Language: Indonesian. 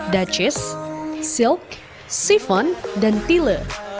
dacis silk sifon dan tile